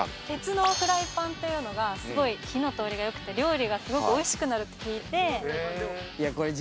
鉄のフライパンというのがすごい火の通りが良くて料理がすごくおいしくなるって聞いて。